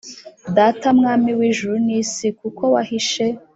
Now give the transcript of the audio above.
Data Mwami w ijuru n isi kuko wahishe